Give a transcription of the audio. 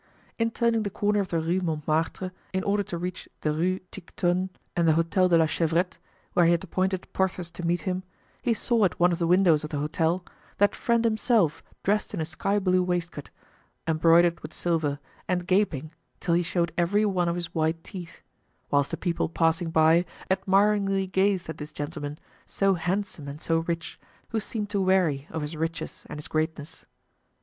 In turning the corner of the Rue Montmartre, in order to reach the Rue Tiquetonne and the Hotel de la Chevrette, where he had appointed Porthos to meet him, he saw at one of the windows of the hotel, that friend himself dressed in a sky blue waistcoat, embroidered with silver, and gaping, till he showed every one of his white teeth; whilst the people passing by admiringly gazed at this gentleman, so handsome and so rich, who seemed to weary of his riches and his greatness.